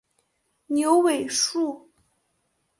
牛尾树